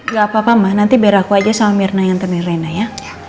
gak apa apa mah nanti biar aku aja sama mirna yang nganterin rena ya